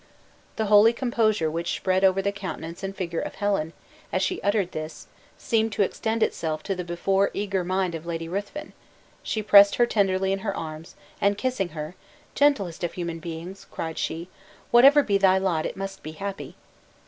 The holy composure which spread over the countenance and figure of Helen, as she uttered this, seemed to extend itself to the before eager mind of Lady Ruthven; she pressed her tenderly in her arms, and kissing her: "Gentlest of human beings!" cried she, "whatever be thy lot, it must be happy."